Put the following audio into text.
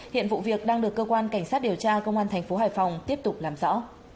hiện vụ việc đang được cơ quan cảnh sát điều tra công an thành phố hải phòng tiếp tục làm rõ